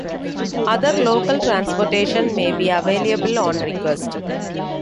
Other local transportation may be available on request.